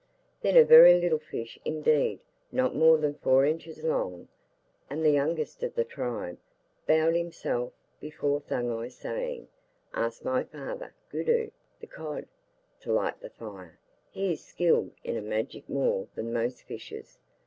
Then a very little fish indeed, not more than four inches long and the youngest of the tribe, bowed himself before Thuggai, saying, 'Ask my father, Guddhu the cod, to light the fire. He is skilled in magic more than most fishes.